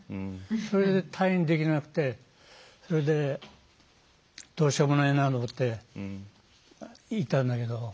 それで退院できなくてそれでどうしようもないなと思っていたんだけど。